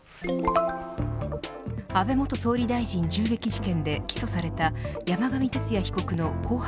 安倍元総理大臣銃撃事件で起訴された山上徹也被告の公判